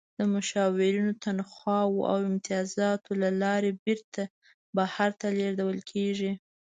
د مشاورینو د تنخواوو او امتیازاتو له لارې بیرته بهر ته لیږدول کیږي.